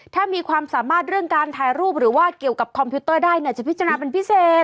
ถ้ามีความสามารถเรื่องการถ่ายรูปหรือว่าเกี่ยวกับคอมพิวเตอร์ได้เนี่ยจะพิจารณาเป็นพิเศษ